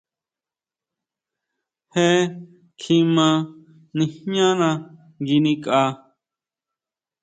Jee kjima nijñana ngui nikʼa.